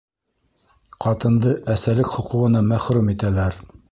Ҡатынды әсәлек хоҡуғынан мәхрүм итәләр.